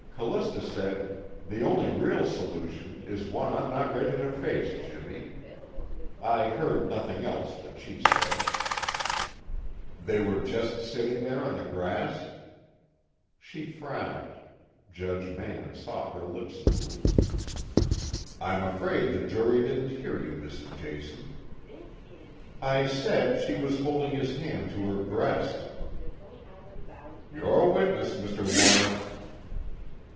"Callista said: 'The only real solution is one I'm not ready to face, Jimmy.' I heard nothing else that she said." "They were just sitting there on the grass?" She frowned. Judge Mann saw her lips move. "I'm afraid the jury didn't hear you, Mrs. Jason." "I said, she was holding his head to her breast." "Your witness, Mr. Warner."